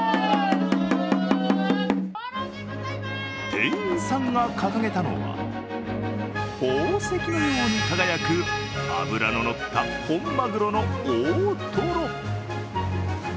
店員さんが掲げたのは、宝石のように輝く脂ののった本まぐろの大トロ。